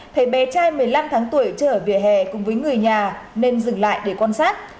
thấy bé trai một mươi năm tháng tuổi chơi ở vỉa hè cùng với người nhà nên dừng lại để quan sát